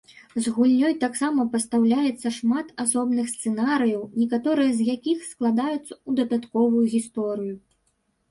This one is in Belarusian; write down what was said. З гульнёй таксама пастаўляецца шмат асобных сцэнарыяў, некаторыя з якіх складаюцца ў дадатковую гісторыю.